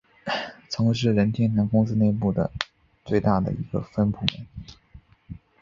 曾是任天堂公司内部最大的一个分部门。